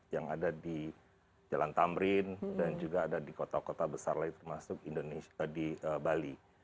yang ada di jalan tamrin dan juga ada di kota kota besar lain termasuk di bali